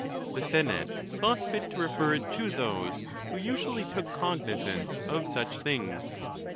The senate thought fit to refer it to those who usually took cognizance of such things.